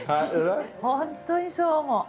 本当にそう思う。